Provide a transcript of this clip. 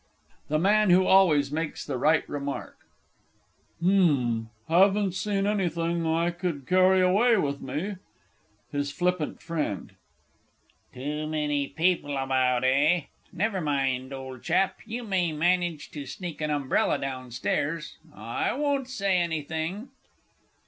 THE MAN WHO ALWAYS MAKES THE RIGHT REMARK. H'm. Haven't seen anything I could carry away with me. HIS FLIPPANT FRIEND. Too many people about, eh? Never mind, old chap, you may manage to sneak an umbrella down stairs I won't say anything!